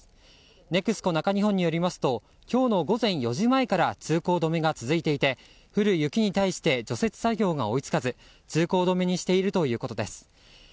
ＮＥＸＣＯ中日本によりますと今日の午前４時前から通行止めが続いていて降る雪に対して除雪作業が追い付かず通行止めにしているということです。